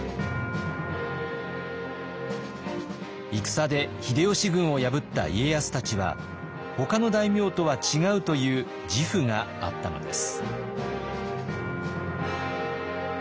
戦で秀吉軍を破った家康たちはほかの大名とは違うという自負があったのです。